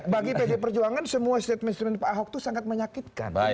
bagi pdi perjuangan semua set mensuruhnya pak ahok itu sangat menyakitkan